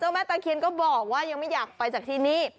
แม่ตะเคียนก็บอกว่ายังไม่อยากไปจากที่นี่